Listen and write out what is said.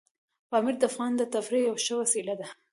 پامیر د افغانانو د تفریح یوه ښه وسیله ده.